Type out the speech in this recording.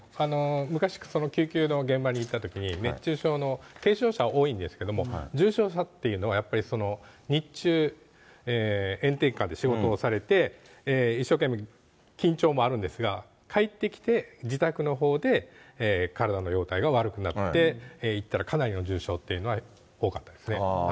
昔、救急の現場にいたときに、熱中症の軽症者は多いんですけども、重症者っていうのは、やっぱり日中、炎天下で仕事をされて、一生懸命、緊張もあるんですが、帰ってきて、自宅のほうで体の容体が悪くなって行ったら、かなりの重症というのは多かったですね。